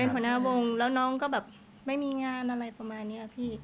หัวหน้าวงแล้วน้องก็แบบไม่มีงานอะไรประมาณนี้อะพี่